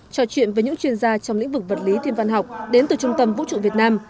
trò chuyện với những chuyên gia trong lĩnh vực vật lý thiên văn học đến từ trung tâm vũ trụ việt nam